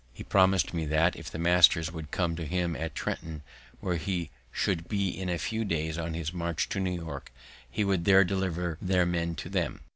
He promised me that, if the masters would come to him at Trenton, where he should be in a few days on his march to New York, he would there deliver their men to them.